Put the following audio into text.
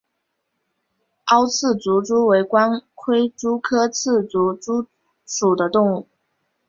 凹刺足蛛为光盔蛛科刺足蛛属的动物。